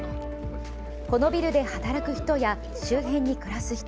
このビルで働く人や周辺に暮らす人